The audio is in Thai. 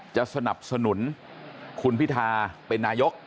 จะสนับสนุนคุณพิธาเป็นนายก